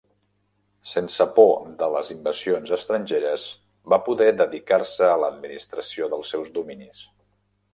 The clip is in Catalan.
Sense por de les invasions estrangeres, va poder dedicar-se a l'administració dels seus dominis.